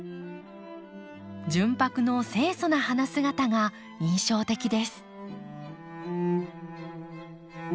純白の清楚な花姿が印象的です。